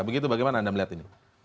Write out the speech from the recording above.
begitu bagaimana anda melihat ini